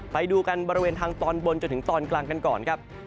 ไปดูกันบริเวณทางตอนบนจนถึงตอนกลางกันก่อนครับ